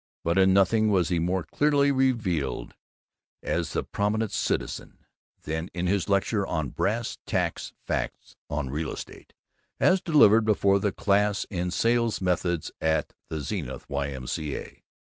But in nothing was he more clearly revealed as the Prominent Citizen than in his lecture on "Brass Tacks Facts on Real Estate," as delivered before the class in Sales Methods at the Zenith Y.M.C.A.